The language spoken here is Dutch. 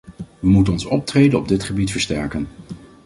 Wij moeten ons optreden op dit gebied versterken.